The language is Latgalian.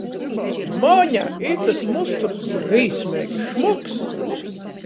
Moņa, itys musturs brīsmeigi šmuks!